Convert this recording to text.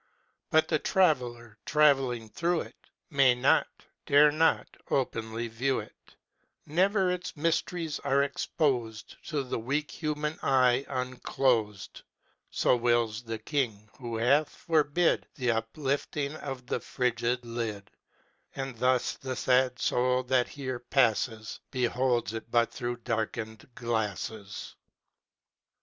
But the traveller, travelling through it, May not dare not openly view it; Never its mysteries are exposed 45 To the weak human eye unclosed; So wills its King, who hath forbid The uplifting of the fringéd lid; And thus the sad Soul that here passes Beholds it but through darkened glasses.